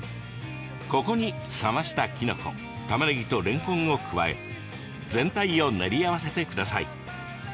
ここに、冷ましたきのこたまねぎとれんこんを加え全体を練り合わせてください。